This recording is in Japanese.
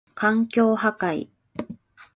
環境破壊